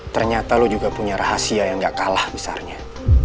ternyata lo juga punya rahasia yang gak kalah besarnya